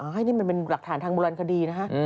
ให้นี่มันเป็นหลักฐานทางโบราณคดีนะฮะ